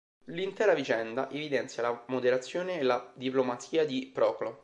L'intera vicenda evidenzia la moderazione e la diplomazia di Proclo.